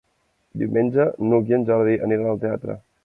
Diumenge n'Hug i en Jordi aniran al teatre.